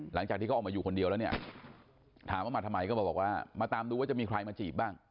หลังจากที่เขาออกมาอยู่คนเดียวแล้วเนี่ยถามว่ามาทำไมก็มาบอกว่ามาตามดูว่าจะมีใครมาจีบบ้าง